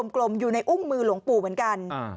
กลมอยู่ในอุ้งมือหลวงปู่เหมือนกัน